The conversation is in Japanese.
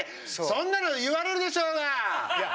そんなの言われるでしょうが！